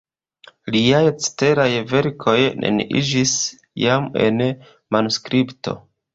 Liaj ceteraj verkoj neniiĝis jam en manuskripto.